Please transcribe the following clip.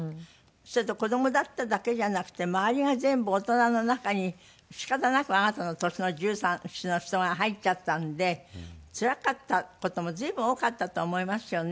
それと子供だっただけじゃなくて周りが全部大人の中に仕方なくあなたの年の１３１４の人が入っちゃったんでつらかった事も随分多かったと思いますよね